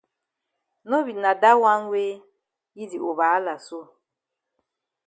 No be na dat wan wey yi di over hala so.